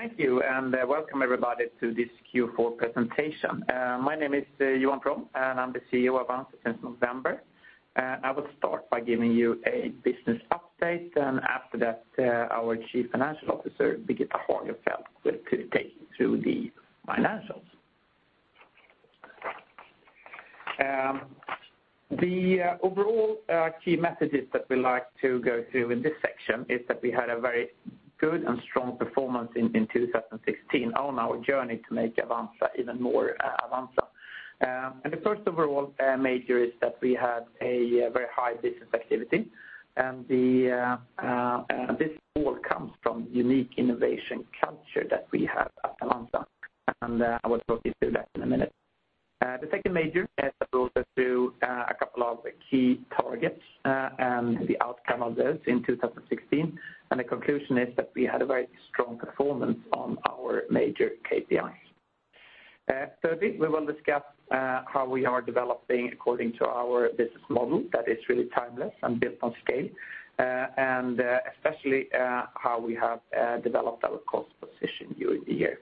Thank you. Welcome everybody to this Q4 presentation. My name is Johan Prom and I'm the CEO of Avanza since November. I will start by giving you a business update, and after that, our Chief Financial Officer, Birgitta Hagenfeldt, will take you through the financials. The overall key messages that we like to go through in this section is that we had a very good and strong performance in 2016 on our journey to make Avanza even more Avanza. The first overall major is that we had a very high business activity and this all comes from unique innovation culture that we have at Avanza, and I will talk you through that in one minute. The second major is also to a couple of key targets, and the outcome of those in 2016, and the conclusion is that we had a very strong performance on our major KPIs. Thirdly, we will discuss how we are developing according to our business model that is really timeless and built on scale. Especially how we have developed our cost position during the year.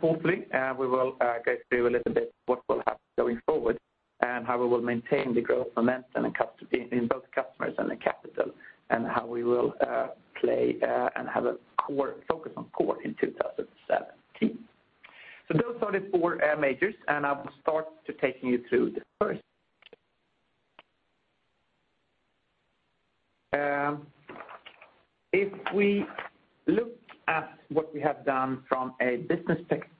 Fourthly, we will go through a little bit what will happen going forward and how we will maintain the growth momentum in both customers and the capital, and how we will play and have a focus on core in 2017. Those are the four majors, and I will start to taking you through the first. If we look at what we have done from a business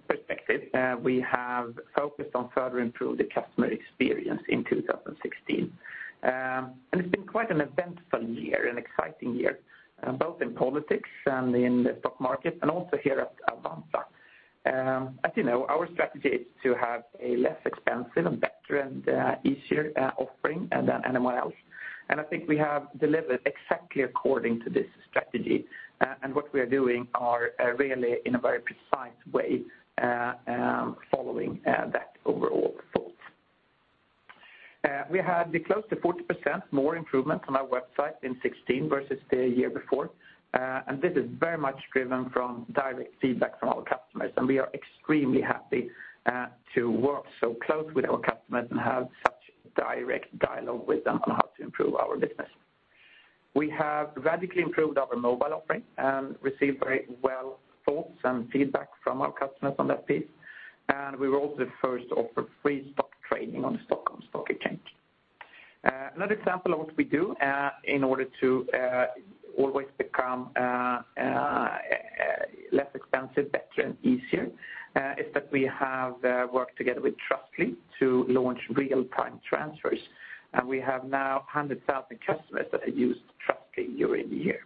perspective, we have focused on further improve the customer experience in 2016. It's been quite an eventful year and exciting year, both in politics and in the stock market and also here at Avanza. As you know, our strategy is to have a less expensive and better and easier offering than anyone else. I think we have delivered exactly according to this strategy. What we are doing are really in a very precise way following that overall thought. We had close to 40% more improvement on our website in 2016 versus the year before. This is very much driven from direct feedback from our customers, and we are extremely happy to work so close with our customers and have such direct dialogue with them on how to improve our business. We have radically improved our mobile offering and received very well thoughts and feedback from our customers on that piece. We were also the first to offer free stock trading on the Stockholm Stock Exchange. Another example of what we do in order to always become less expensive, better, and easier is that we have worked together with Trustly to launch real-time transfers. We have now 100,000 customers that use Trustly year-on-year.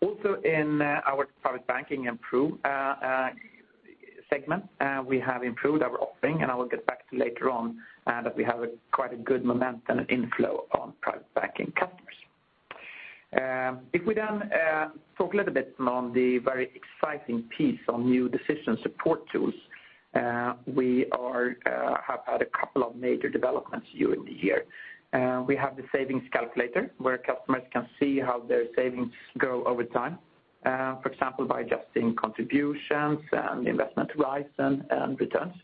Also in our private banking segment, we have improved our offering, and I will get back to later on that we have quite a good momentum and inflow on private banking customers. If we talk a little bit on the very exciting piece on new decision support tools, we have had a couple of major developments during the year. We have the Savings Calculator where customers can see how their savings grow over time, for example, by adjusting contributions and investment horizon and returns.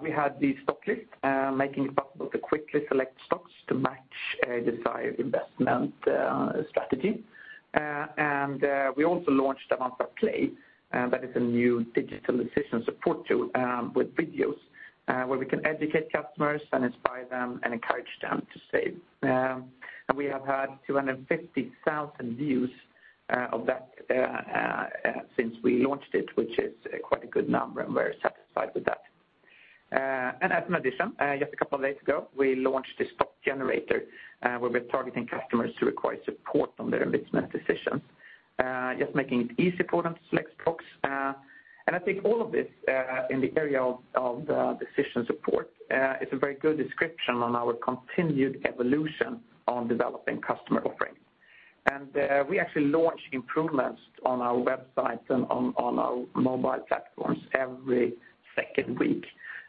We had the Stock Filters making it possible to quickly select stocks to match a desired investment strategy. We also launched Avanza Play, that is a new digital decision support tool with videos where we can educate customers and inspire them and encourage them to save. We have had 250,000 views of that since we launched it, which is quite a good number, and we're satisfied with that. As an addition, just a couple of days ago, we launched the Stock generator where we're targeting customers to require support on their investment decisions. Just making it easy for them to select stocks. I think all of this in the area of decision support is a very good description on our continued evolution on developing customer offerings. We actually launch improvements on our websites and on our mobile platforms every second week.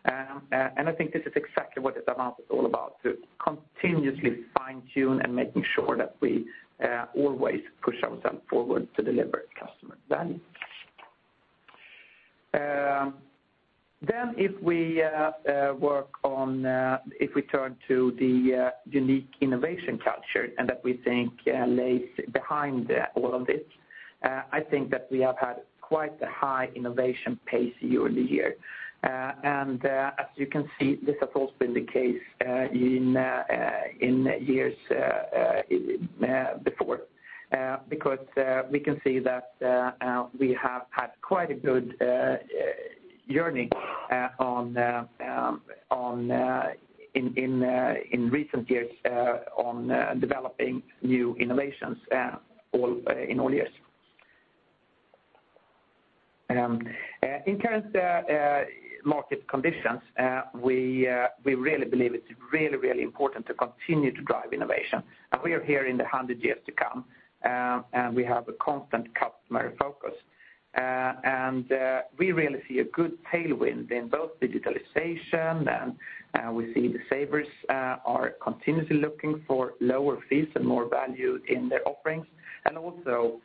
I think this is exactly what Avanza is all about, to continuously fine-tune and making sure that we always push ourselves forward to deliver customer value. If we turn to the unique innovation culture and that we think lays behind all of this, I think that we have had quite a high innovation pace year-on-year. As you can see, this has also been the case in years before because we can see that we have had quite a good journey in recent years on developing new innovations in all years. In current market conditions, we really believe it's really important to continue to drive innovation. We are here in the 100 years to come, and we have a constant customer focus. We really see a good tailwind in both digitalization and we see the savers are continuously looking for lower fees and more value in their offerings. Also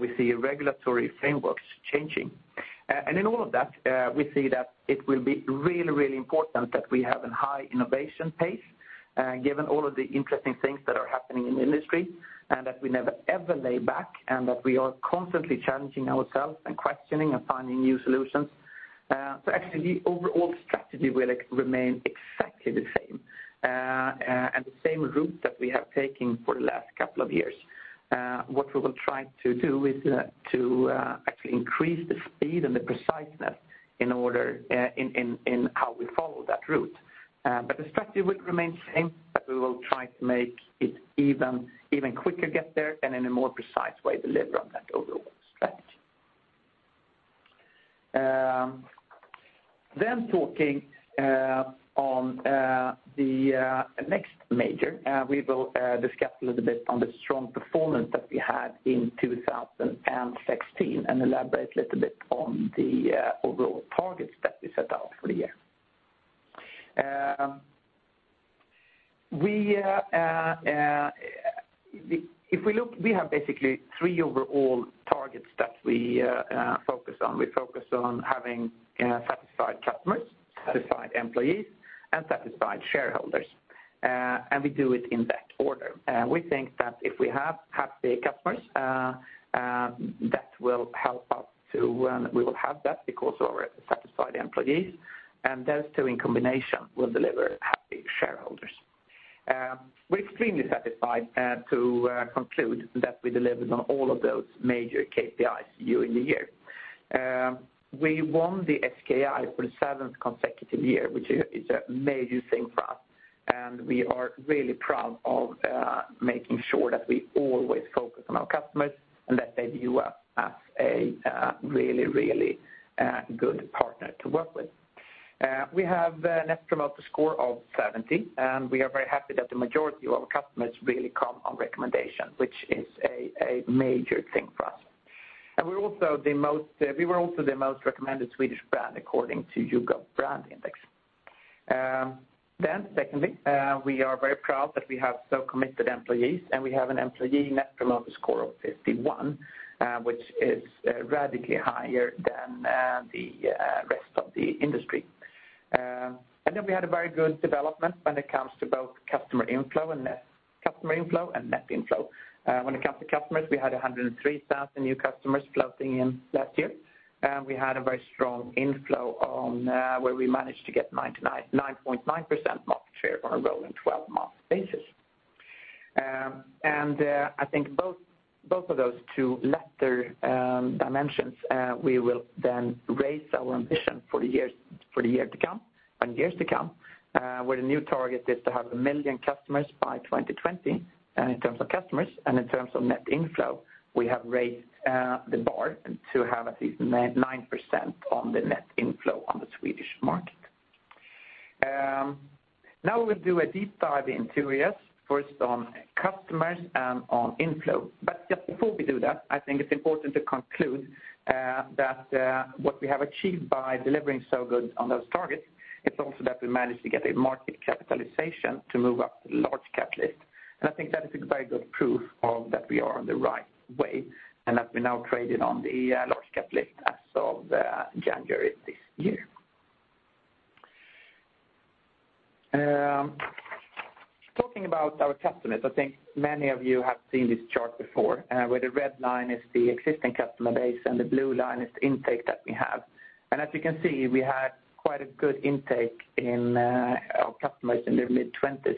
we see regulatory frameworks changing. In all of that, we see that it will be really, really important that we have a high innovation pace given all of the interesting things that are happening in the industry, and that we never, ever lay back and that we are constantly challenging ourselves and questioning and finding new solutions. Actually the overall strategy will remain exactly the same, and the same route that we have taken for the last couple of years. What we will try to do is to actually increase the speed and the preciseness in how we follow that route. The strategy will remain the same, but we will try to make it even quicker get there and in a more precise way deliver on that overall strategy. Talking on the next major, we will discuss a little bit on the strong performance that we had in 2016 and elaborate a little bit on the overall targets that we set out for the year. We have basically three overall targets that we focus on. We focus on having satisfied customers, satisfied employees, and satisfied shareholders, and we do it in that order. We think that if we have happy customers, we will have that because of our satisfied employees, and those two in combination will deliver happy shareholders. We're extremely satisfied to conclude that we delivered on all of those major KPIs during the year. We won the SKI for the seventh consecutive year, which is a major thing for us, and we are really proud of making sure that we always focus on our customers and that they view us as a really, really good partner to work with. We have a Net Promoter Score of 70, and we are very happy that the majority of our customers really come on recommendation, which is a major thing for us. We were also the most recommended Swedish brand according to YouGov BrandIndex. Secondly, we are very proud that we have so committed employees, and we have an Employee Net Promoter Score of 51, which is radically higher than the rest of the industry. We had a very good development when it comes to both customer inflow and net inflow. When it comes to customers, we had 103,000 new customers floating in last year. We had a very strong inflow where we managed to get 9.9% market share on a rolling 12-month basis. I think both of those two latter dimensions we will then raise our ambition for the year to come and years to come, where the new target is to have 1 million customers by 2020 in terms of customers. In terms of net inflow, we have raised the bar to have at least 9% on the net inflow on the Swedish market. We will do a deep dive into areas, first on customers and on inflow. Just before we do that, I think it's important to conclude that what we have achieved by delivering so good on those targets, it's also that we managed to get a market capitalization to move up the large cap list. I think that is a very good proof that we are on the right way and that we now traded on the large cap list as of January this year. Talking about our customers, I think many of you have seen this chart before, where the red line is the existing customer base and the blue line is the intake that we have. As you can see, we had quite a good intake in our customers in their mid-20s.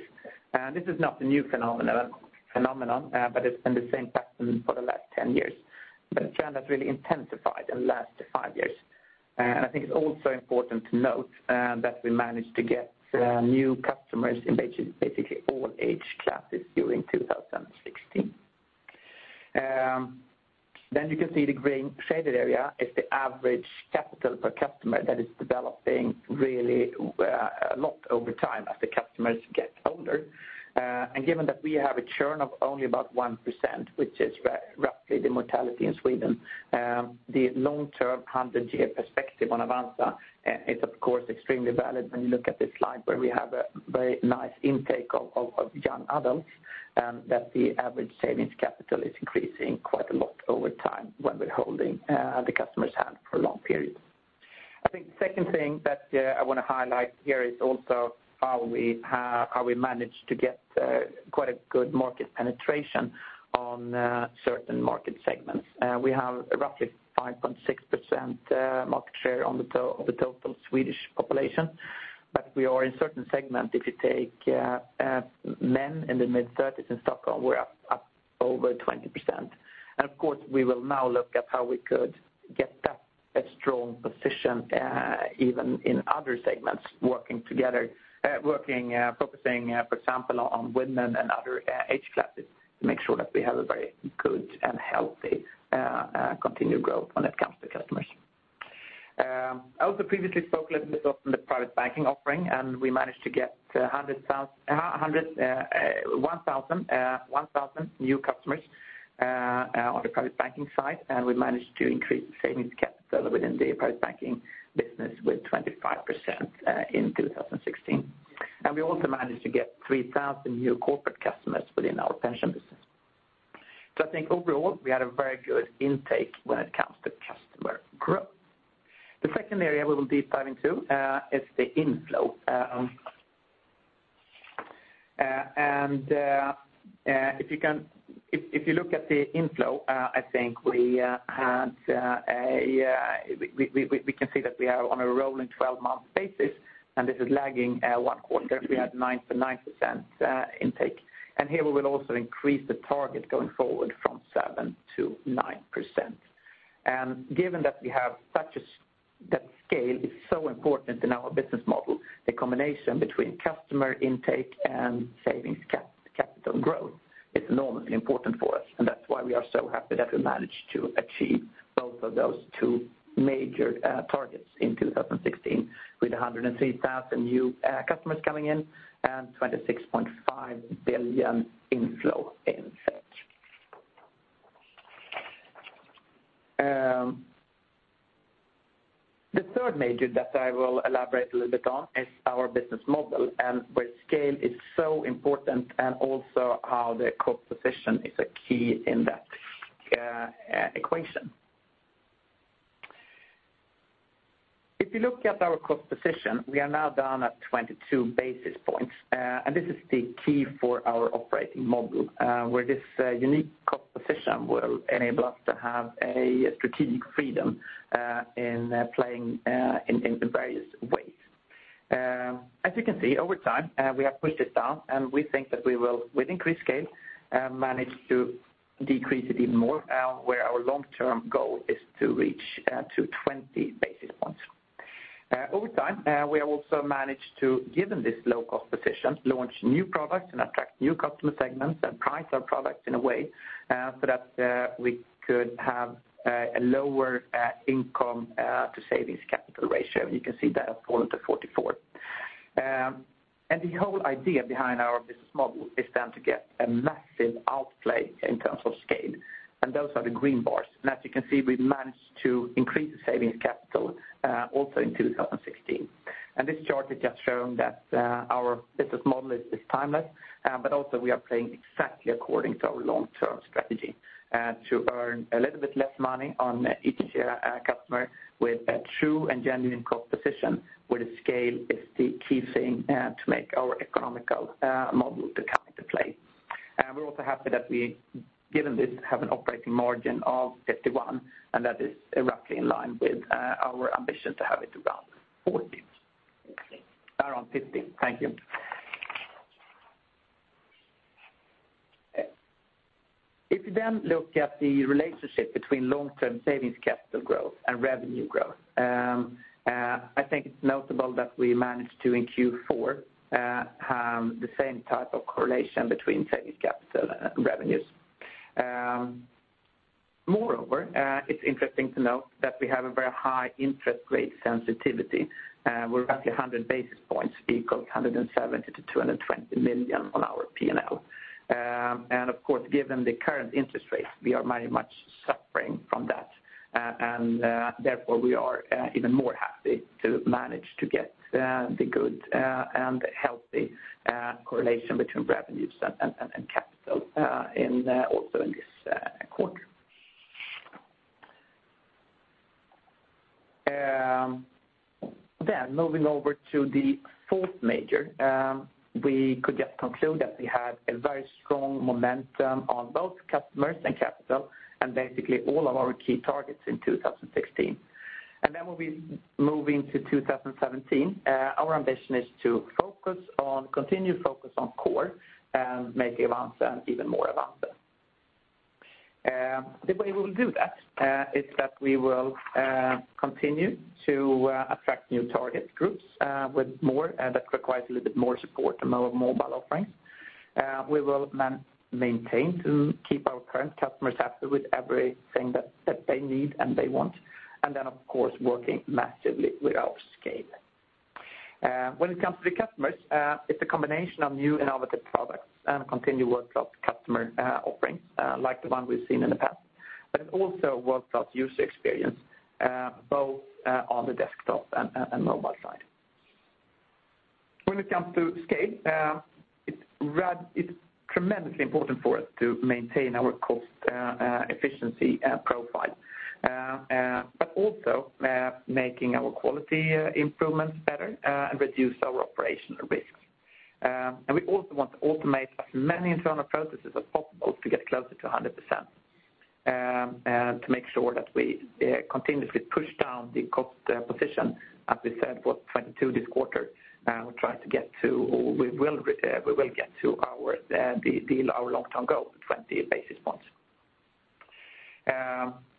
This is not a new phenomenon, but it's been the same pattern for the last 10 years. The trend has really intensified in the last five years. I think it's also important to note that we managed to get new customers in basically all age classes during 2016. You can see the green shaded area is the average capital per customer that is developing really a lot over time as the customers get older. Given that we have a churn of only about 1%, which is roughly the mortality in Sweden the long-term 100-year perspective on Avanza is, of course, extremely valid when you look at this slide where we have a very nice intake of young adults, and that the average savings capital is increasing quite a lot over time when we're holding the customer's hand for a long period. I think the second thing that I want to highlight here is also how we manage to get quite a good market penetration on certain market segments. We have roughly 5.6% market share on the total Swedish population, but we are in a certain segment. If you take men in their mid-30s in Stockholm, we're up over 20%. Of course, we will now look at how we could get that strong position even in other segments working together, focusing, for example, on women and other age classes to make sure that we have a very good and healthy continued growth when it comes to customers. I also previously spoke a little bit of the private banking offering. We managed to get 1,000 new customers on the private banking side. We managed to increase savings capital within the private banking business with 25% in 2016. We also managed to get 3,000 new corporate customers within our pension business. I think overall, we had a very good intake when it comes to customer growth. The second area we will be diving into is the inflow. If you look at the inflow, we can see that we are on a rolling 12-month basis and this is lagging one quarter, we had 9% intake. Here we will also increase the target going forward from 7% to 9%. Given that scale is so important in our business model, the combination between customer intake and savings capital growth is enormously important for us, and that's why we are so happy that we managed to achieve both of those two major targets in 2016 with 103,000 new customers coming in and 26.5 billion inflow in sales. The third major that I will elaborate a little bit on is our business model and where scale is so important and also how the cost position is a key in that equation. If you look at our cost position, we are now down at 22 basis points. This is the key for our operating model, where this unique cost position will enable us to have a strategic freedom in playing in various ways. As you can see, over time, we have pushed this down and we think that we will, with increased scale, manage to decrease it even more, where our long-term goal is to reach to 20 basis points. Over time, we have also managed to, given this low-cost position, launch new products and attract new customer segments and price our products in a way so that we could have a lower income to savings capital ratio. You can see that fall to 44%. The whole idea behind our business model is then to get a massive outplay in terms of scale. Those are the green bars. As you can see, we've managed to increase the savings capital also in 2016. This chart is just showing that our business model is timeless. Also we are playing exactly according to our long-term strategy to earn a little bit less money on each customer with a true and genuine cost position where the scale is the key thing to make our economical model to come into play. We're also happy that we, given this, have an operating margin of 51%, and that is roughly in line with our ambition to have it around 50%. Thank you. If you look at the relationship between long-term savings capital growth and revenue growth, I think it's notable that we managed to, in Q4, have the same type of correlation between savings capital and revenues. Moreover, it's interesting to note that we have a very high interest rate sensitivity. We're roughly 100 basis points equal, 170 million-220 million on our P&L. Of course, given the current interest rates, we are very much suffering from that. Therefore we are even more happy to manage to get the good and healthy correlation between revenues and capital also in this quarter. Moving over to the fourth major, we could just conclude that we had a very strong momentum on both customers and capital and basically all of our key targets in 2016. When we move into 2017, our ambition is to continue focus on core and make Avanza even more Avanza. The way we will do that is that we will continue to attract new target groups with more, and that requires a little bit more support in our mobile offerings. We will maintain to keep our current customers happy with everything that they need and they want. Of course, working massively with our scale. When it comes to the customers, it's a combination of new innovative products and continued world-class customer offerings like the one we've seen in the past. Also world-class user experience both on the desktop and mobile side. When it comes to scale, it's tremendously important for us to maintain our cost efficiency profile, but also making our quality improvements better and reduce our operational risks. We also want to automate as many internal processes as possible to get closer to 100%, to make sure that we continuously push down the cost position. As we said, we're 22 this quarter, and we will get to our long-term goal, 20 basis points.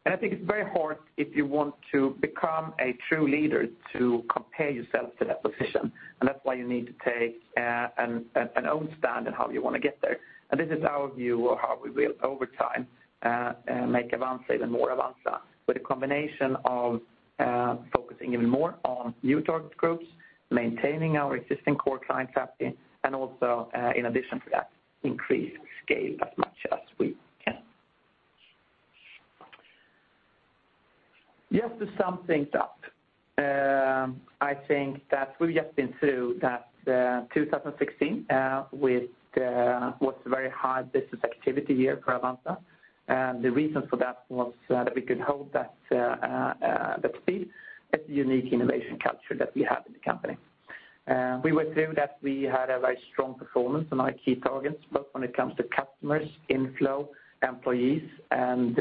I think it's very hard if you want to become a true leader to compare yourself to that position. That's why you need to take an own stand on how you want to get there. This is our view of how we will, over time, make Avanza even more Avanza with a combination of focusing even more on new target groups, maintaining our existing core client base, and also in addition to that, increase scale as much as we can. Just to sum things up. I think that we've just been through that 2016 with what's a very high business activity year for Avanza. The reason for that was that we could hold that speed, that unique innovation culture that we have in the company. We went through that we had a very strong performance on our key targets, both when it comes to customers, inflow, employees, and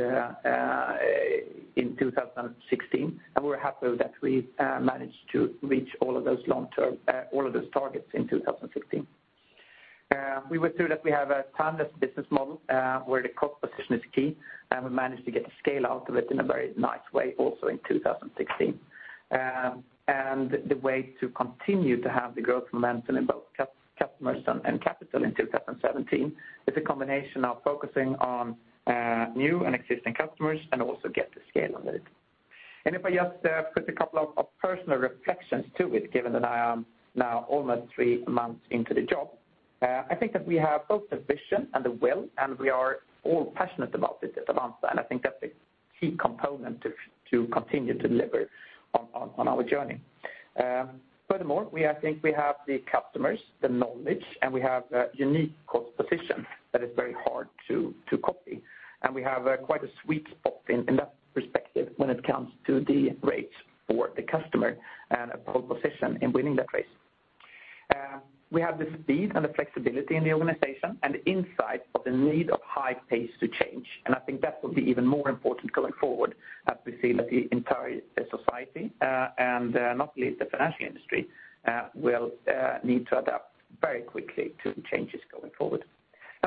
in 2016. We're happy that we managed to reach all of those targets in 2016. We went through that we have a timeless business model, where the cost position is key, and we managed to get the scale out of it in a very nice way also in 2016. The way to continue to have the growth momentum in both customers and capital in 2017 is a combination of focusing on new and existing customers and also get the scale of it. If I just put a couple of personal reflections to it, given that I am now almost three months into the job, I think that we have both the vision and the will, and we are all passionate about it at Avanza. I think that's a key component to continue to deliver on our journey. Furthermore, I think we have the customers, the knowledge, and we have a unique cost position that is very hard to copy. We have quite a sweet spot in that perspective when it comes to the rates for the customer and a pole position in winning that race. We have the speed and the flexibility in the organization and the insight of the need of high pace to change. I think that will be even more important going forward as we see that the entire society, and not least the financial industry will need to adapt very quickly to changes going forward.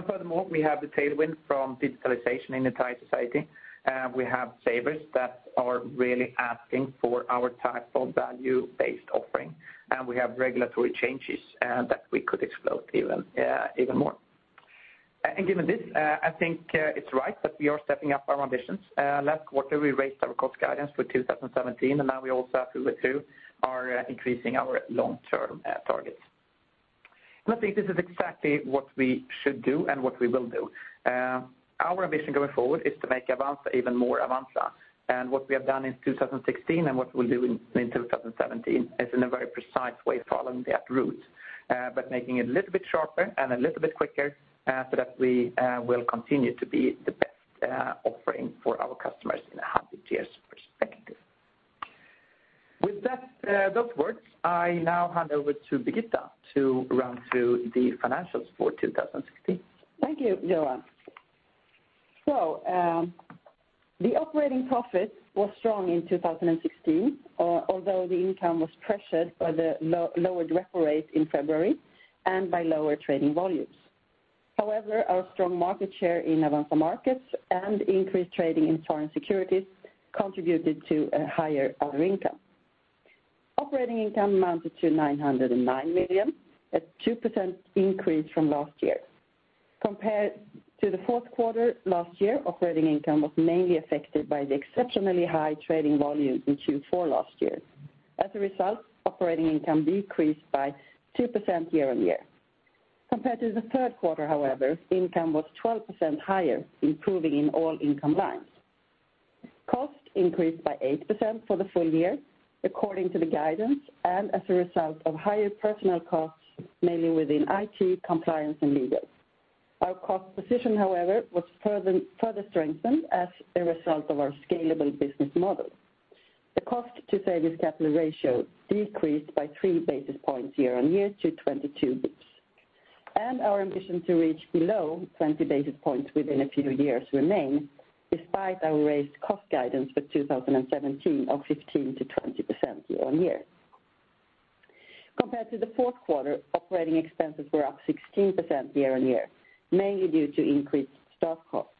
Furthermore, we have the tailwind from digitalization in the entire society. We have savers that are really asking for our type of value-based offering. We have regulatory changes that we could exploit even more. Given this, I think it's right that we are stepping up our ambitions. Last quarter, we raised our cost guidance for 2017. Now we also as we went through are increasing our long-term targets. I think this is exactly what we should do and what we will do. Our ambition going forward is to make Avanza even more Avanza. What we have done in 2016 and what we'll do in 2017 is in a very precise way following that route but making it a little bit sharper and a little bit quicker so that we will continue to be the best offering for our customers in a hundred years perspective. With those words, I now hand over to Birgitta to run through the financials for 2016. Thank you, Johan. The operating profit was strong in 2016, although the income was pressured by the lowered repo rate in February and by lower trading volumes. However, our strong market share in Avanza Markets and increased trading in foreign securities contributed to a higher other income. Operating income amounted to 909 million, a 2% increase from last year. Compared to the fourth quarter last year, operating income was mainly affected by the exceptionally high trading volume in Q4 last year. As a result, operating income decreased by 2% year-on-year. Compared to the third quarter, however, income was 12% higher, improving in all income lines. Cost increased by 8% for the full year according to the guidance and as a result of higher personnel costs, mainly within IT, compliance, and legal. Our cost position, however, was further strengthened as a result of our scalable business model. The cost-to-savings capital ratio decreased by three basis points year-on-year to 22 basis points. Our ambition to reach below 20 basis points within a few years remains despite our raised cost guidance for 2017 of 15%-20% year-on-year. Compared to the fourth quarter, operating expenses were up 16% year-on-year, mainly due to increased stock costs.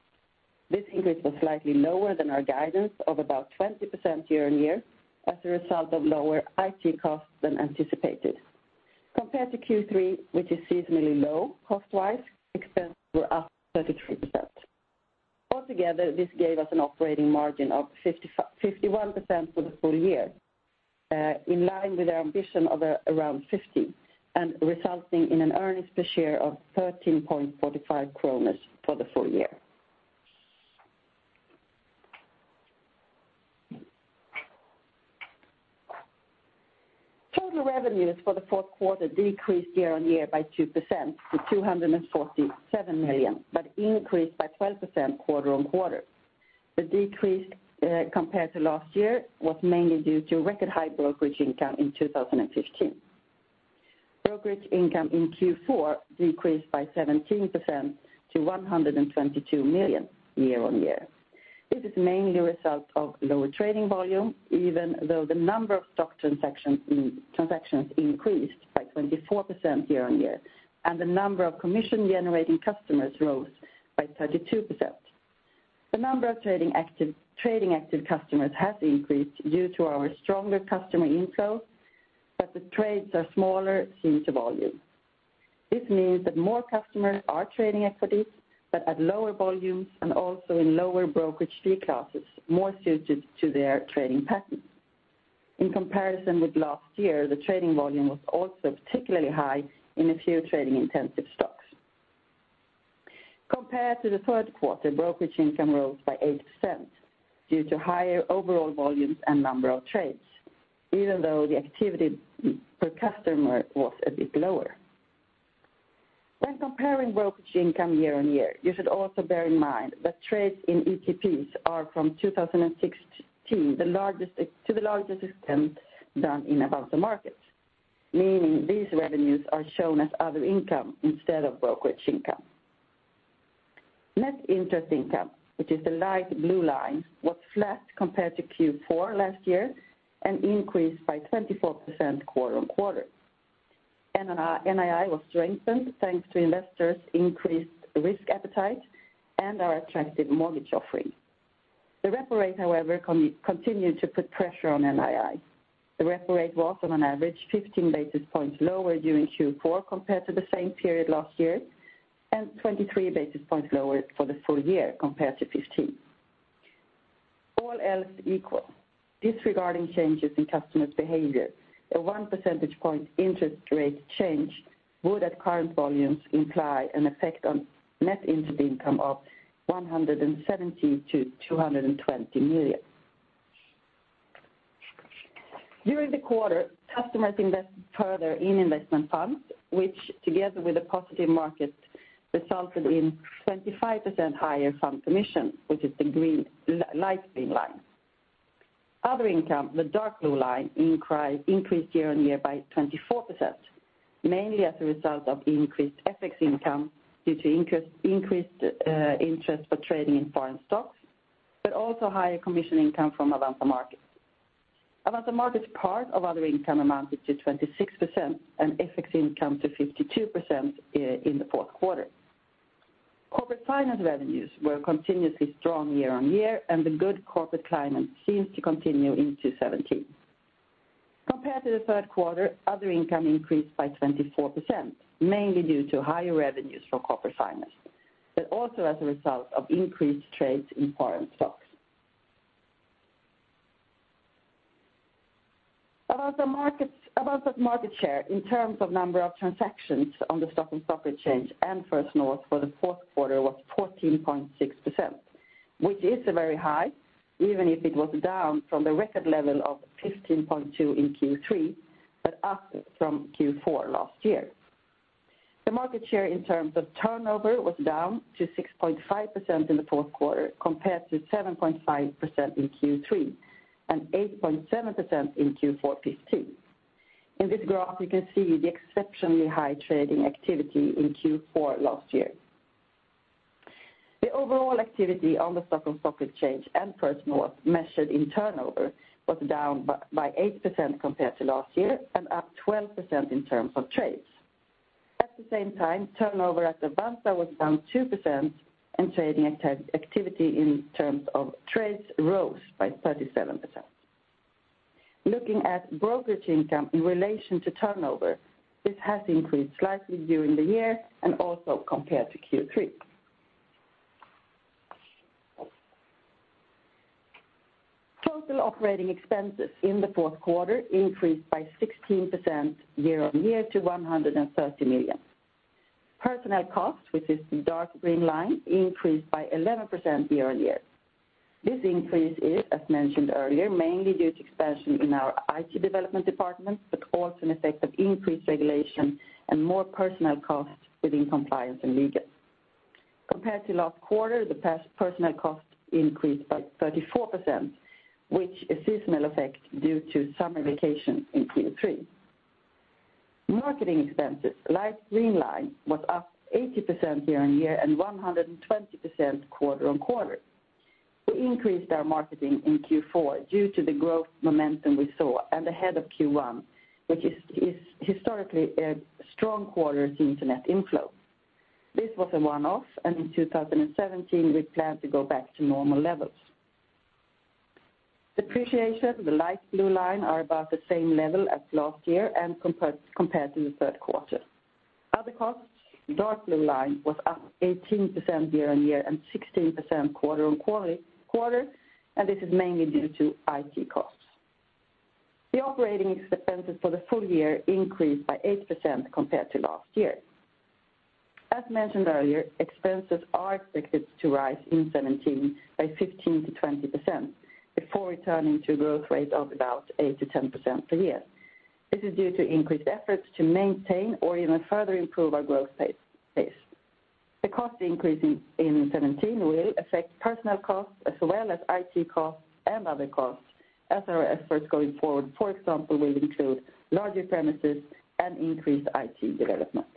This increase was slightly lower than our guidance of about 20% year-on-year as a result of lower IT costs than anticipated. Compared to Q3, which is seasonally low cost-wise, expenses were up 33%. Altogether, this gave us an operating margin of 51% for the full year, in line with our ambition of around 50% and resulting in an earnings per share of 13.45 kronor for the full year. Total revenues for the fourth quarter decreased year-on-year by 2% to 247 million, increased by 12% quarter-on-quarter. The decrease compared to last year was mainly due to record high brokerage income in 2015. Brokerage income in Q4 decreased by 17% to 122 million year-on-year. This is mainly a result of lower trading volume, even though the number of stock transactions increased by 24% year-on-year, and the number of commission-generating customers rose by 32%. The number of trading active customers has increased due to our stronger customer inflow, but the trades are smaller in volume. This means that more customers are trading equities, but at lower volumes and also in lower brokerage fee classes more suited to their trading patterns. In comparison with last year, the trading volume was also particularly high in a few trading-intensive stocks. Compared to the third quarter, brokerage income rose by 8% due to higher overall volumes and number of trades, even though the activity per customer was a bit lower. When comparing brokerage income year-on-year, you should also bear in mind that trades in ETPs are from 2016 to the largest extent done in Avanza Markets, meaning these revenues are shown as other income instead of brokerage income. Net interest income, which is the light blue line, was flat compared to Q4 last year and increased by 24% quarter-on-quarter. NII was strengthened thanks to investors' increased risk appetite and our attractive mortgage offering. The repo rate, however, continued to put pressure on NII. The repo rate was on average 15 basis points lower during Q4 compared to the same period last year, and 23 basis points lower for the full year compared to 2015. All else equal, disregarding changes in customers' behavior, a one percentage point interest rate change would at current volumes imply an effect on Net interest income of 170 million-220 million. During the quarter, customers invested further in investment funds, which together with the positive market resulted in 25% higher fund commission, which is the light green line. Other income, the dark blue line, increased year-on-year by 24%, mainly as a result of increased FX income due to increased interest for trading in foreign stocks, but also higher commission income from Avanza Markets. Avanza Markets' part of other income amounted to 26% and FX income to 52% in the fourth quarter. Corporate finance revenues were continuously strong year-on-year, and the good corporate climate seems to continue into 2017. Compared to the third quarter, other income increased by 24%, mainly due to higher revenues for corporate finance, but also as a result of increased trades in foreign stocks. Avanza market share in terms of number of transactions on the Stockholm Stock Exchange and First North for the fourth quarter was 14.6%, which is very high, even if it was down from the record level of 15.2% in Q3, but up from Q4 last year. The market share in terms of turnover was down to 6.5% in the fourth quarter compared to 7.5% in Q3 and 8.7% in Q4 2015. In this graph, you can see the exceptionally high trading activity in Q4 last year. The overall activity on the Stockholm Stock Exchange and First North measured in turnover was down by 8% compared to last year and up 12% in terms of trades. At the same time, turnover at Avanza was down 2% and trading activity in terms of trades rose by 37%. Looking at brokerage income in relation to turnover, this has increased slightly during the year and also compared to Q3. Total operating expenses in the fourth quarter increased by 16% year-on-year to 130 million. Personnel costs, which is the dark green line, increased by 11% year-on-year. This increase is, as mentioned earlier, mainly due to expansion in our IT development department, but also an effect of increased regulation and more personnel costs within compliance and legal. Compared to last quarter, the personnel costs increased by 34%, which is a seasonal effect due to summer vacation in Q3. Marketing expenses, light green line, was up 18% year-on-year and 120% quarter-on-quarter. We increased our marketing in Q4 due to the growth momentum we saw and ahead of Q1, which is historically a strong quarter due to net inflow. This was a one-off, and in 2017, we plan to go back to normal levels. Depreciation, the light blue line, are about the same level as last year and compared to the third quarter. Other costs, dark blue line, was up 18% year-on-year and 16% quarter-on-quarter, and this is mainly due to IT costs. The operating expenses for the full year increased by 8% compared to last year. As mentioned earlier, expenses are expected to rise in 2017 by 15%-20% before returning to growth rates of about 8%-10% per year. This is due to increased efforts to maintain or even further improve our growth pace. The cost increase in 2017 will affect personnel costs as well as IT costs and other costs as our efforts going forward, for example, will include larger premises and increased IT development.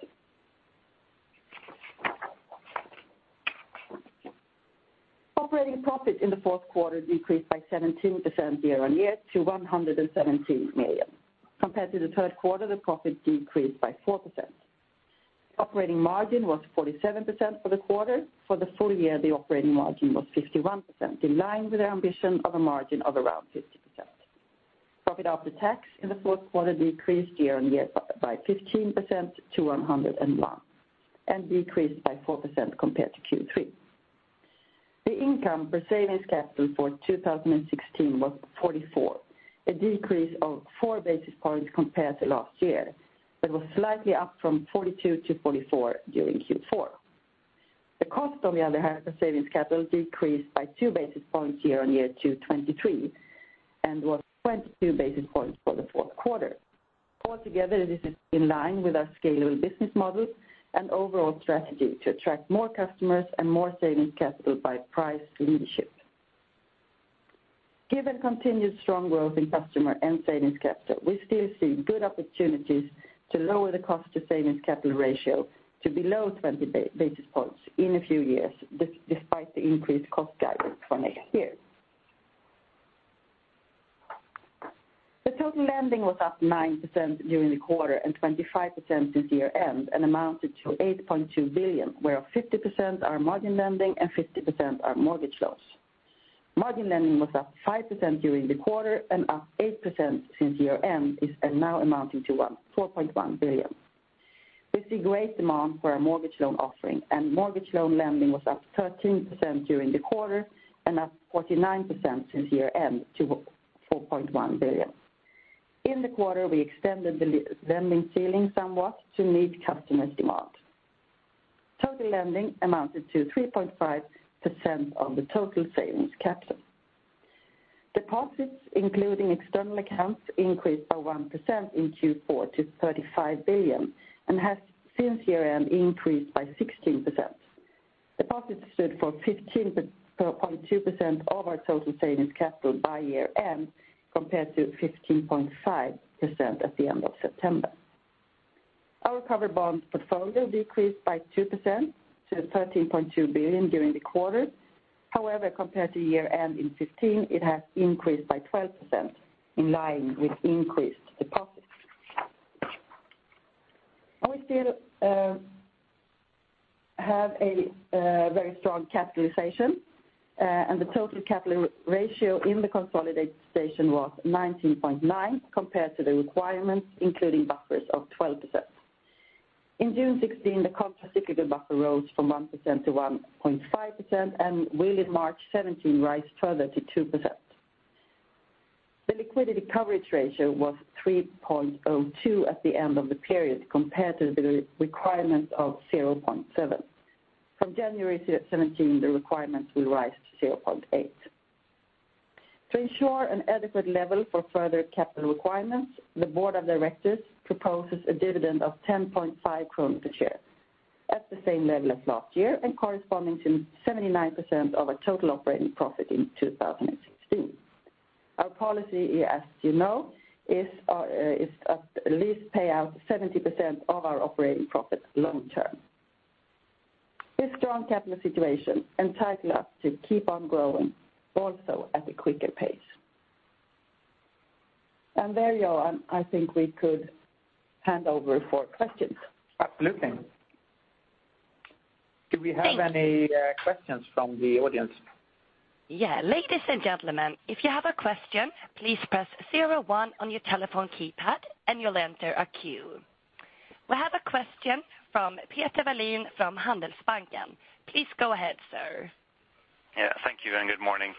Operating profit in the fourth quarter decreased by 17% year-on-year to 117 million. Compared to the third quarter, the profit decreased by 4%. Operating margin was 47% for the quarter. For the full year, the operating margin was 51%, in line with our ambition of a margin of around 50%. Profit after tax in the fourth quarter decreased year-on-year by 15% to 101 million and decreased by 4% compared to Q3. The income per savings capital for 2016 was 44%, a decrease of four basis points compared to last year. It was slightly up from 42% to 44% during Q4. The cost on the other half of savings capital decreased by two basis points year-on-year to 23 and was 22 basis points for the fourth quarter. Altogether, this is in line with our scalable business model and overall strategy to attract more customers and more savings capital by price leadership. Given continued strong growth in customer and savings capital, we still see good opportunities to lower the cost-to-savings capital ratio to below 20 basis points in a few years, despite the increased cost guidance for next year. The total lending was up 9% during the quarter and 25% since year-end, and amounted to 8.2 billion, where 50% are margin lending and 50% are mortgage loans. Margin lending was up 5% during the quarter and up 8% since year-end and now amounting to 4.1 billion. We see great demand for our mortgage loan offering and mortgage loan lending was up 13% during the quarter and up 49% since year-end to 4.1 billion. In the quarter, we extended the lending ceiling somewhat to meet customers' demand. Total lending amounted to 3.5% of the total savings capital. Deposits, including external accounts, increased by 1% in Q4 to 35 billion and has since year-end increased by 16%. Deposits stood for 15.2% of our total savings capital by year-end, compared to 15.5% at the end of September. Our covered bonds portfolio decreased by 2% to 13.2 billion during the quarter. However, compared to year-end in 2015, it has increased by 12%, in line with increased deposits. We still have a very strong capitalization and the total capital ratio in the consolidation was 19.9% compared to the requirements, including buffers of 12%. In June 2016, the countercyclical capital buffer rose from 1% to 1.5% and will in March 2017 rise further to 2%. The Liquidity Coverage Ratio was 3.02 at the end of the period compared to the requirement of 0.7. From January 2017, the requirement will rise to 0.8. To ensure an adequate level for further capital requirements, the board of directors proposes a dividend of 10.5 per share at the same level as last year and corresponding to 79% of our total operating profit in 2016. Our policy, as you know, is at least pay out 70% of our operating profit long term. This strong capital situation entitle us to keep on growing also at a quicker pace. There, Johan, I think we could hand over for questions. Absolutely. Thanks. Do we have any questions from the audience? Ladies and gentlemen, if you have a question, please press 01 on your telephone keypad and you'll enter a queue. We have a question from Peter Wallin from Handelsbanken. Please go ahead, sir. Thank you. Good morning.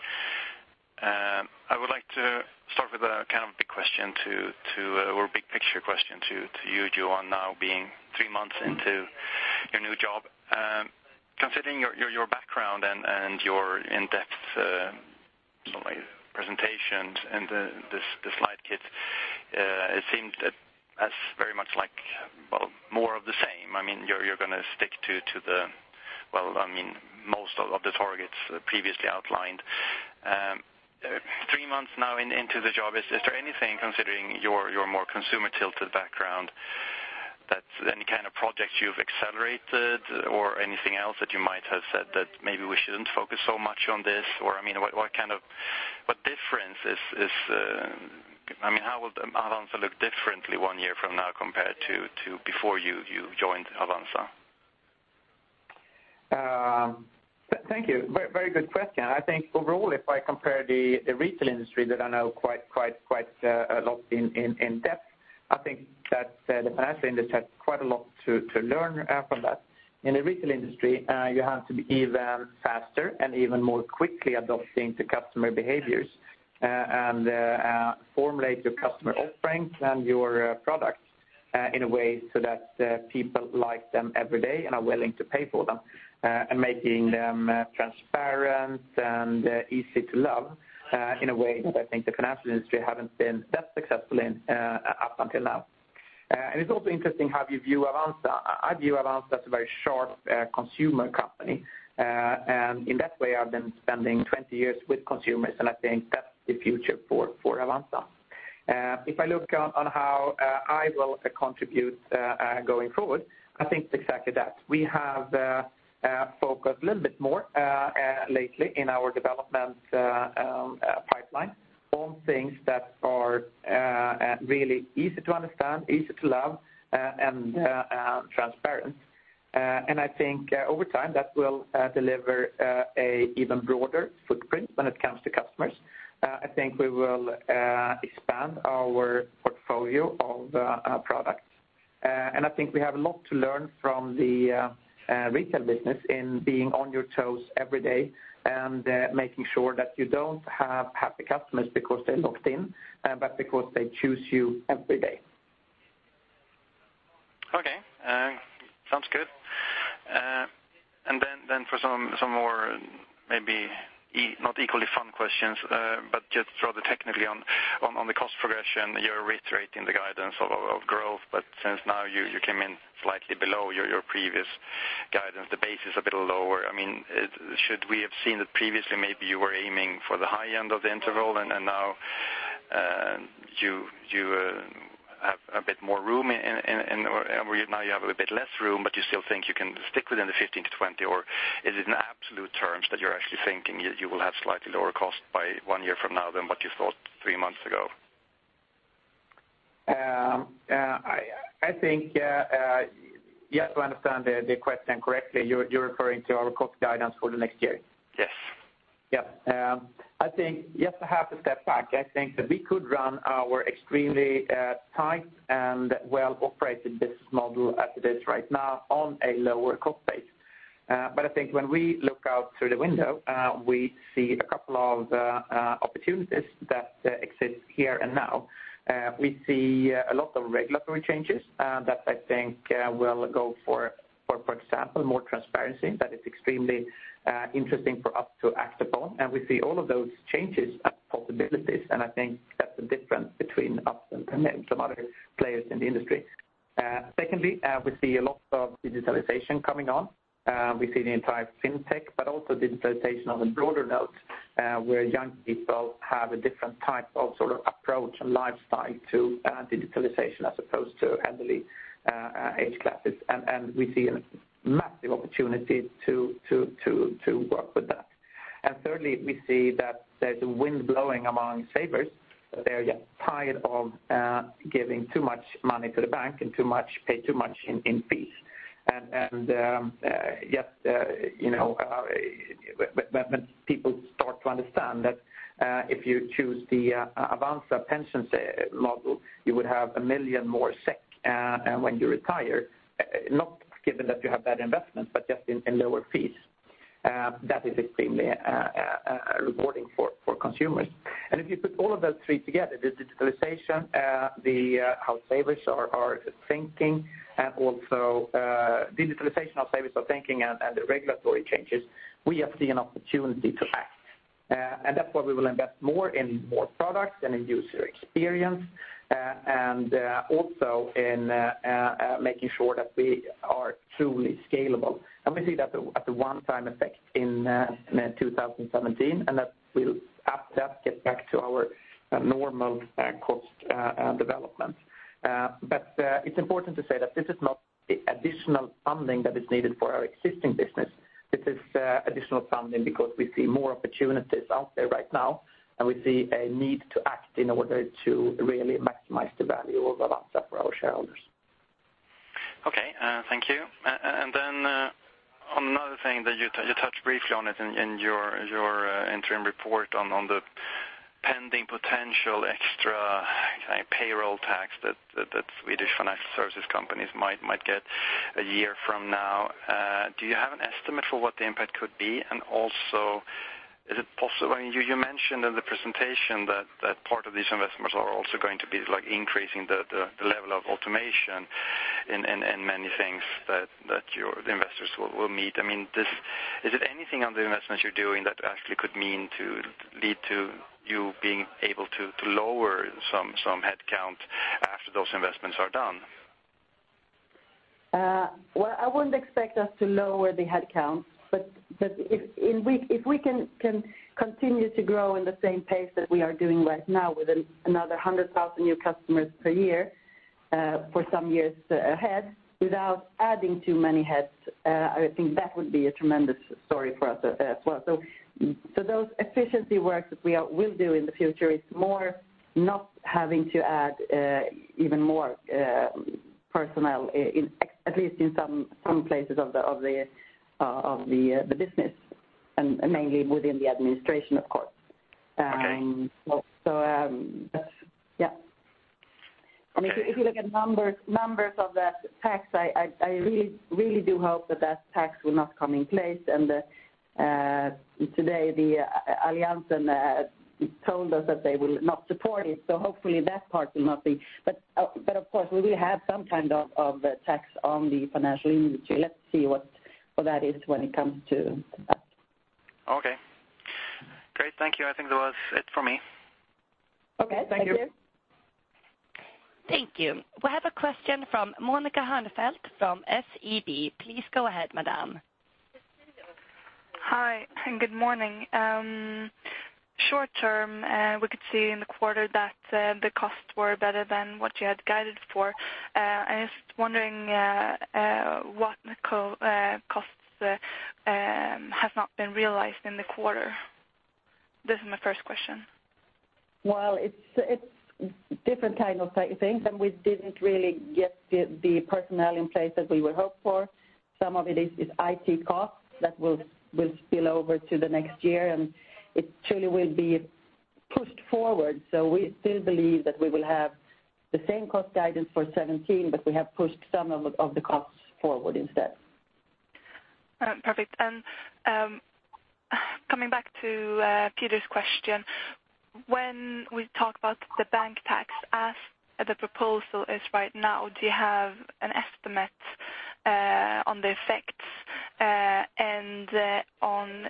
I would like to start with a big question to, or big picture question to you, Johan, now being three months into your new job. Considering your background and your in-depth presentations and the slide kit it seemed as very much like more of the same. You're going to stick to most of the targets previously outlined. Three months now into the job, is there anything, considering your more consumer-tilted background, any kind of projects you've accelerated or anything else that you might have said that maybe we shouldn't focus so much on this? How will Avanza look differently one year from now compared to before you joined Avanza? Thank you. Very good question. I think overall, if I compare the retail industry that I know quite a lot in depth, I think that the financial industry has quite a lot to learn from that. In the retail industry, you have to be even faster and even more quickly adopting to customer behaviors and formulate your customer offerings and your products in a way so that people like them every day and are willing to pay for them, and making them transparent and easy to love in a way that I think the financial industry haven't been that successful in up until now. It's also interesting how you view Avanza. I view Avanza as a very sharp consumer company. In that way, I've been spending 20 years with consumers, and I think that's the future for Avanza. If I look on how I will contribute going forward, I think exactly that. We have focused a little bit more lately in our development pipeline on things that are really easy to understand, easy to love and transparent. I think over time that will deliver an even broader footprint when it comes to customers. I think we will expand our portfolio of products. I think we have a lot to learn from the retail business in being on your toes every day and making sure that you don't have happy customers because they're locked in, but because they choose you every day. Okay. Sounds good. For some more, maybe not equally fun questions, but just rather technically on the cost progression, you're reiterating the guidance of growth, but since now you came in slightly below your previous guidance, the base is a bit lower. Should we have seen that previously, maybe you were aiming for the high end of the interval and now you have a bit less room, but you still think you can stick within the 15%-20%? Or is it in absolute terms that you're actually thinking you will have slightly lower cost by one year from now than what you thought three months ago? I think, yes, I understand the question correctly. You're referring to our cost guidance for the next year? Yes. Yes. I think, just to have to step back, I think that we could run our extremely tight and well-operated business model as it is right now on a lower cost base. I think when we look out through the window, we see a couple of opportunities that exist here and now. We see a lot of regulatory changes that I think will go for example, more transparency that is extremely interesting for us to act upon. We see all of those changes as possibilities. I think that's the difference between us and some other players in the industry. Secondly, we see a lot of digitalization coming on. We see the entire fintech, but also digitalization on a broader note where young people have a different type of approach and lifestyle to digitalization as opposed to elderly age classes. We see a massive opportunity to work with that. Thirdly, we see that there's a wind blowing among savers. They're just tired of giving too much money to the bank and pay too much in fees. When people start to understand that if you choose the Avanza pension model, you would have 1 million more when you retire, not given that you have bad investments, but just in lower fees. That is extremely rewarding for consumers. If you put all of those three together, the digitalization, how savers are thinking, and also digitalization of savers of thinking and the regulatory changes, we have seen an opportunity to act. That's why we will invest more in more products and in user experience, and also in making sure that we are truly scalable. We see that at the one-time effect in 2017, that we'll after that get back to our normal cost development. It's important to say that this is not additional funding that is needed for our existing business. This is additional funding because we see more opportunities out there right now, and we see a need to act in order to really maximize the value of Avanza for our shareholders. Okay, thank you. Another thing that you touched briefly on it in your interim report on the pending potential extra payroll tax that Swedish financial services companies might get a year from now. Do you have an estimate for what the impact could be? You mentioned in the presentation that part of these investments are also going to be increasing the level of automation in many things that your investors will meet. Is it anything on the investments you're doing that actually could lead to you being able to lower some headcount after those investments are done? Well, I wouldn't expect us to lower the headcount, if we can continue to grow in the same pace that we are doing right now with another 100,000 new customers per year for some years ahead without adding too many heads, I think that would be a tremendous story for us as well. Those efficiency works that we will do in the future is more not having to add even more personnel, at least in some places of the business, and mainly within the administration, of course. Okay. That's Yeah. If you look at numbers of that tax, I really do hope that tax will not come in place. Today the Alliansen told us that they will not support it, hopefully that part will not be. Of course, we will have some kind of tax on the financial industry. Let's see what that is when it comes to us. Okay. Great. Thank you. I think that was it for me. Okay. Thank you. Thank you. We have a question from Monica Hanefelt from SEB. Please go ahead, madam. Hi. Good morning. Short term, we could see in the quarter that the costs were better than what you had guided for. I was just wondering what costs Has not been realized in the quarter. This is my first question. Well, it's different kind of things. We didn't really get the personnel in place that we would hope for. Some of it is IT costs that will spill over to the next year. It truly will be pushed forward. We still believe that we will have the same cost guidance for 2017, but we have pushed some of the costs forward instead. Perfect. Coming back to Peter's question, when we talk about the bank tax, as the proposal is right now, do you have an estimate on the effects and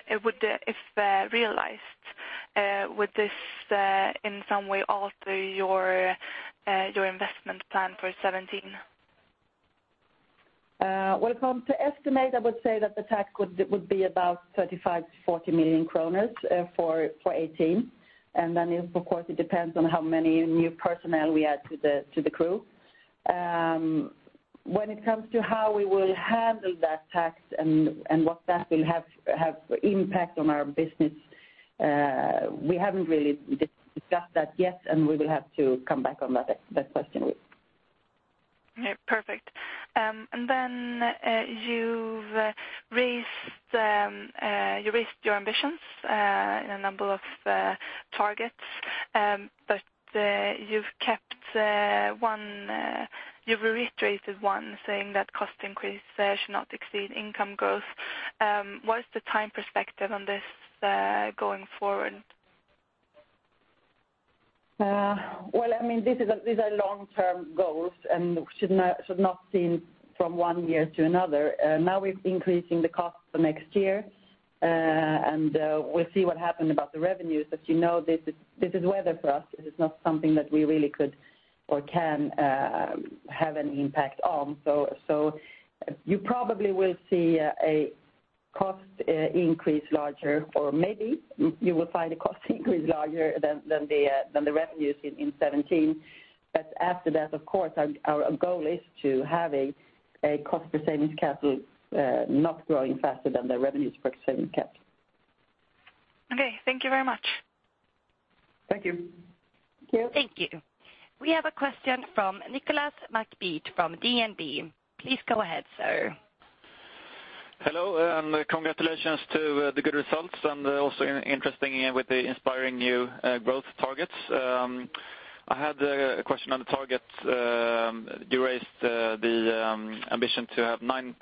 if realized would this in some way alter your investment plan for 2017? When it comes to estimate, I would say that the tax would be about 35 million-40 million kronor for 2018. Then, of course, it depends on how many new personnel we add to the crew. When it comes to how we will handle that tax and what that will have impact on our business we haven't really discussed that yet. We will have to come back on that question. Yeah. Perfect. You've raised your ambitions in a number of targets. You've reiterated one saying that cost increase should not exceed income growth. What is the time perspective on this going forward? These are long-term goals and should not seen from one year to another. We're increasing the cost for next year, and we'll see what happen about the revenues. This is weather for us. This is not something that we really could or can have an impact on. You probably will see a cost increase larger, or maybe you will find a cost increase larger than the revenues in 2017. After that, of course, our goal is to have a cost per savings capital not growing faster than the revenues per savings capital. Okay. Thank you very much. Thank you. Thank you. We have a question from Nicolas McBeath from DNB. Please go ahead, sir. Hello, congratulations to the good results and also interesting with the inspiring new growth targets. I had a question on the target. You raised the ambition to have 9%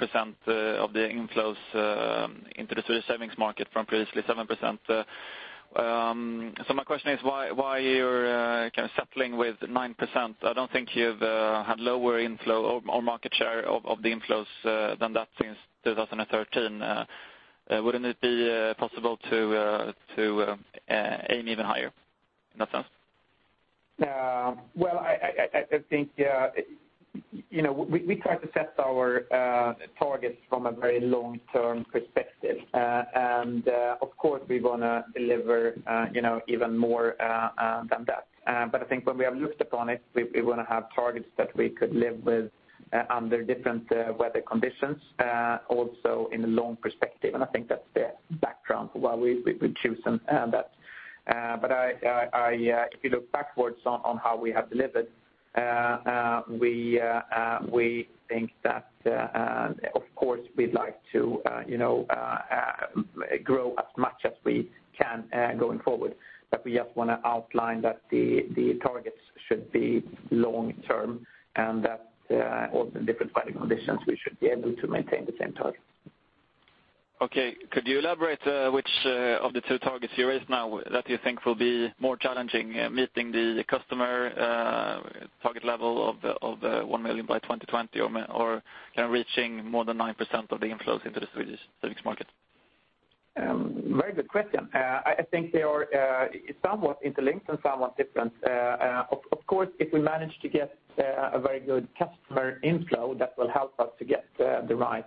of the inflows into the savings market from previously 7%. My question is why you're kind of settling with 9%? I don't think you've had lower inflow or market share of the inflows than that since 2013. Wouldn't it be possible to aim even higher in that sense? We try to set our targets from a very long-term perspective. Of course we want to deliver even more than that. I think when we have looked upon it, we want to have targets that we could live with under different weather conditions also in the long perspective. I think that's the background for why we've chosen that. If you look backwards on how we have delivered, we think that of course we'd like to grow as much as we can going forward, but we just want to outline that the targets should be long term and that all the different market conditions we should be able to maintain the same target. Okay. Could you elaborate which of the two targets you raised now that you think will be more challenging, meeting the customer target level of the 1 million by 2020, or reaching more than 9% of the inflows into the Swedish savings market? Very good question. I think they are somewhat interlinked and somewhat different. Of course, if we manage to get a very good customer inflow, that will help us to get the right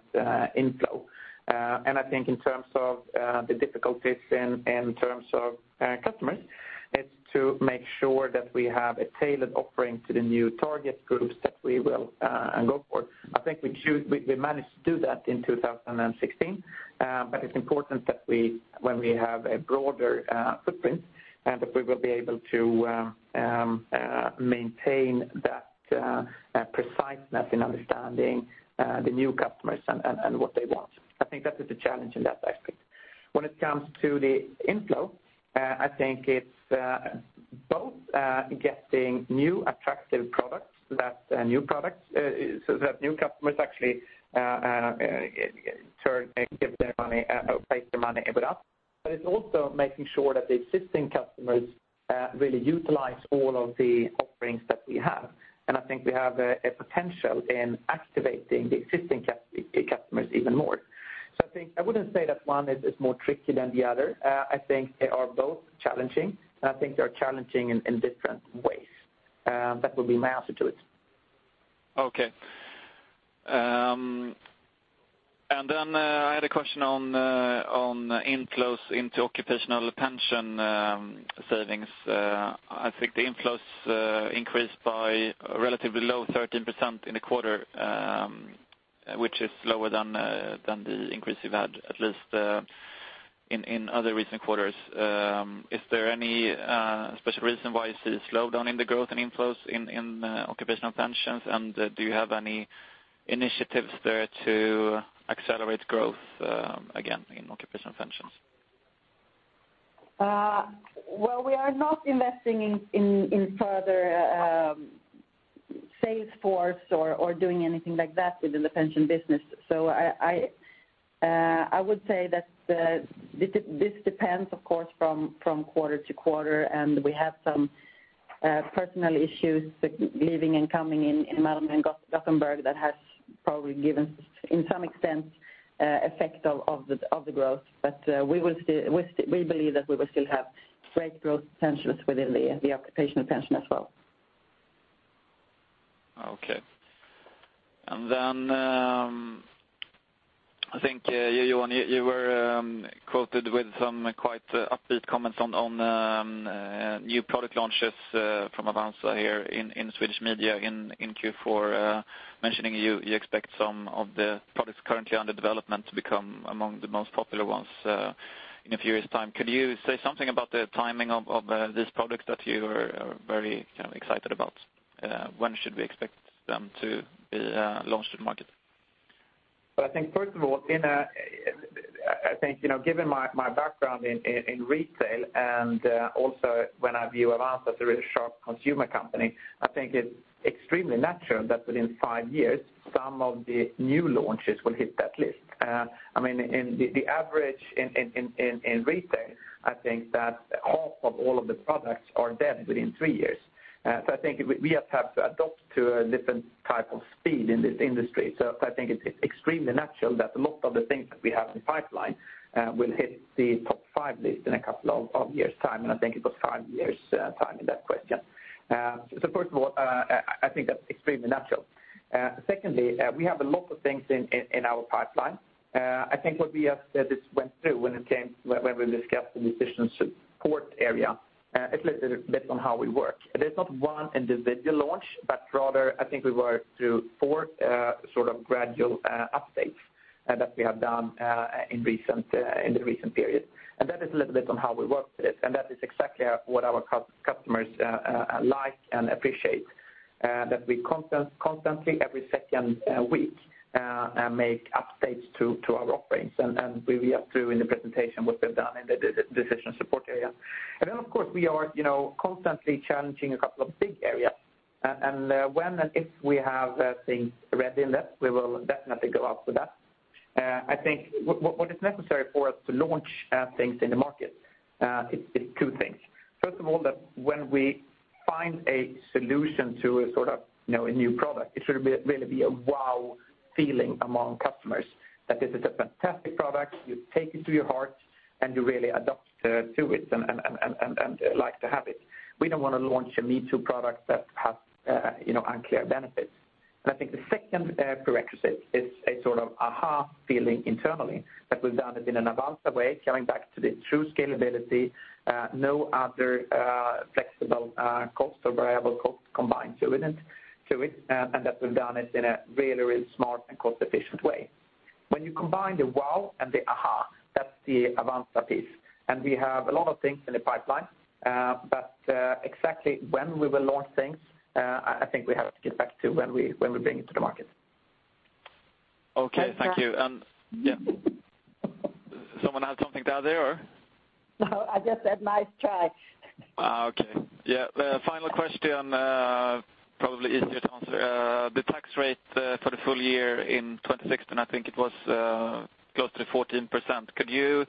inflow. I think in terms of the difficulties in terms of customers, it's to make sure that we have a tailored offering to the new target groups that we will go for. I think we managed to do that in 2016. It's important that when we have a broader footprint, that we will be able to maintain that preciseness in understanding the new customers and what they want. I think that is a challenge in that aspect. When it comes to the inflow, I think it's both getting new attractive products so that new customers actually place their money with us, but it's also making sure that the existing customers really utilize all of the offerings that we have. I think we have a potential in activating the existing customers even more. I wouldn't say that one is more tricky than the other. I think they are both challenging, and I think they are challenging in different ways. That would be my answer to it. Okay. I had a question on inflows into occupational pension savings. I think the inflows increased by relatively low, 13% in the quarter. Which is lower than the increase you've had, at least in other recent quarters. Is there any special reason why you see a slowdown in the growth in inflows in occupational pensions, and do you have any initiatives there to accelerate growth again in occupational pensions? Well, we are not investing in further sales force or doing anything like that within the pension business. I would say that this depends, of course, from quarter to quarter, and we have some personal issues with leaving and coming in Malmö and Gothenburg that has probably given, in some extent, effect of the growth. We believe that we will still have great growth potentials within the occupational pension as well. Okay. I think, Johan, you were quoted with some quite upbeat comments on new product launches from Avanza here in Swedish media in Q4, mentioning you expect some of the products currently under development to become among the most popular ones in a few years' time. Could you say something about the timing of these products that you are very excited about? When should we expect them to be launched in the market? Well, I think, first of all, given my background in retail and also when I view Avanza as a really sharp consumer company, I think it's extremely natural that within five years some of the new launches will hit that list. The average in retail, I think that half of all of the products are dead within three years. I think we just have to adopt to a different type of speed in this industry. I think it's extremely natural that a lot of the things that we have in the pipeline will hit the top five list in a couple of years' time, and I think it was five years' time in that question. First of all, I think that's extremely natural. Secondly, we have a lot of things in our pipeline. I think what we just went through when we discussed the decision support area, it's a little bit on how we work. There's not one individual launch, but rather I think we work through four gradual updates that we have done in the recent period. That is a little bit on how we work with it, and that is exactly what our customers like and appreciate, that we constantly, every second week, make updates to our offerings, and we went through in the presentation what we've done in the decision support area. Then, of course, we are constantly challenging a couple of big areas. When and if we have things ready in that, we will definitely go out with that. I think what is necessary for us to launch things in the market, it's two things. First of all, that when we find a solution to a new product, it should really be a wow feeling among customers that this is a fantastic product. You take it to your heart, and you really adopt to it and like to have it. We don't want to launch a me-too product that has unclear benefits. I think the second prerequisite is a sort of aha feeling internally that we've done it in an Avanza way, going back to the true scalability, no other flexible cost or variable cost combined to it, and that we've done it in a really smart and cost-efficient way. When you combine the wow and the aha, that's the Avanza piece. We have a lot of things in the pipeline. Exactly when we will launch things I think we have to get back to when we bring it to the market. Okay, thank you. Johan- Yeah. Someone had something to add there, or? No, I just said, "Nice try. Okay. Yeah. The final question, probably easier to answer. The tax rate for the full year in 2016, I think it was close to 14%. Could you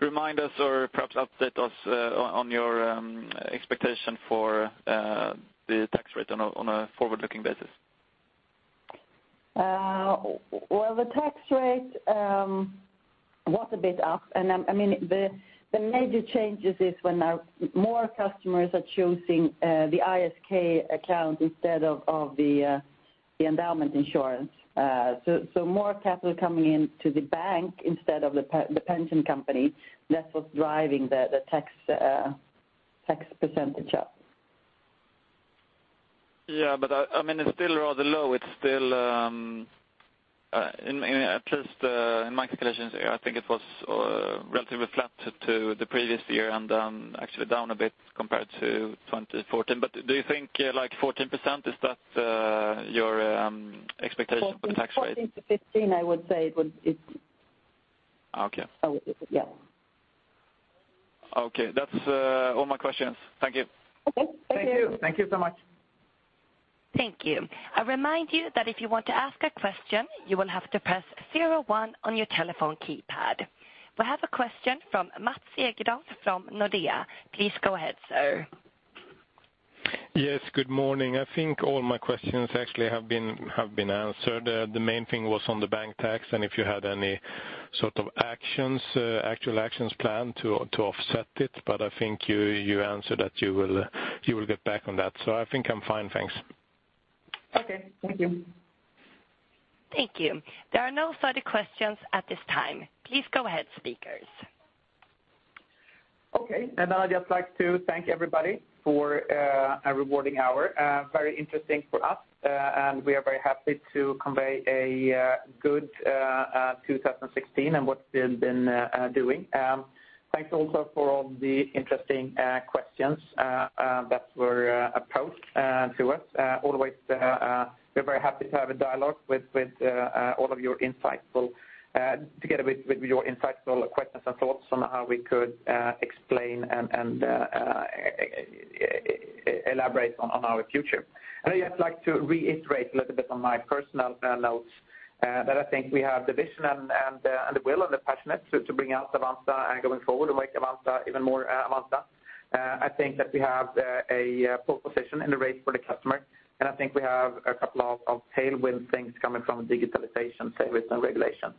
remind us or perhaps update us on your expectation for the tax rate on a forward-looking basis? The tax rate was a bit up. The major changes is when more customers are choosing the ISK account instead of the endowment insurance. More capital coming into the bank instead of the pension company, that was driving the tax % up. It's still rather low. At least in my calculations, I think it was relatively flat to the previous year and actually down a bit compared to 2014. Do you think 14%, is that your expectation for the tax rate? 14%-15%, I would say it would. Okay. Yeah. Okay. That's all my questions. Thank you. Okay. Thank you. Thank you. Thank you so much. Thank you. I remind you that if you want to ask a question, you will have to press 01 on your telephone keypad. We have a question from Mats Egardef from Nordea. Please go ahead, sir. Yes, good morning. I think all my questions actually have been answered. The main thing was on the bank tax and if you had any sort of actual actions planned to offset it, I think you answered that you will get back on that. I think I'm fine, thanks. Okay. Thank you. Thank you. There are no further questions at this time. Please go ahead, speakers. Okay. I'd just like to thank everybody for a rewarding hour. Very interesting for us. We are very happy to convey a good 2016 and what we've been doing. Thanks also for all the interesting questions that were posed to us. Always, we're very happy to have a dialogue with all of your insightful questions and thoughts on how we could explain and elaborate on our future. I'd just like to reiterate a little bit on my personal notes that I think we have the vision and the will and the passion to bring out Avanza going forward and make Avanza even more Avanza. I think that we have a pole position in the race for the customer. I think we have a couple of tailwind things coming from digitalization, service, and regulation.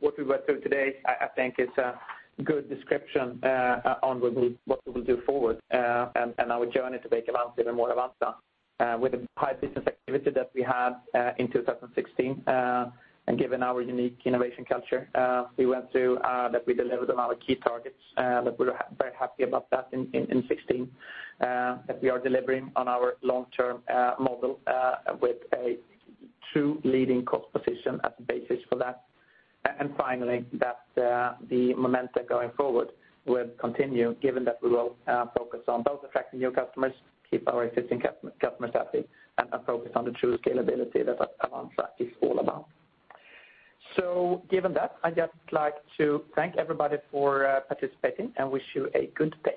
What we went through today I think is a good description on what we will do forward and our journey to make Avanza even more Avanza. With the high business activity that we had in 2016 and given our unique innovation culture we went through, that we delivered on our key targets, that we're very happy about that in 2016, that we are delivering on our long-term model with a true leading cost position as a basis for that. Finally, that the momentum going forward will continue given that we will focus on both attracting new customers, keep our existing customers happy, and focus on the true scalability that Avanza is all about. Given that, I'd just like to thank everybody for participating and wish you a good day.